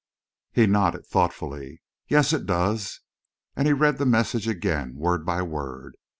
He nodded thoughtfully. "Yes, it does," and he read the message again, word by word.